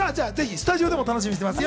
スタジオでもぜひ楽しみにしています。